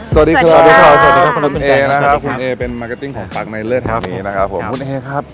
สวัสดีครับคุณแอนะครับคุณแอเป็นมาร์เกอร์ติ้งของปั๊กในเลิศคราวนี้นะครับคุณแอครับ